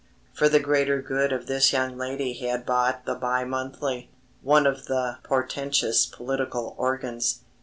For the greater good of this young lady he had bought the Bi Monthly one of the portentous political organs.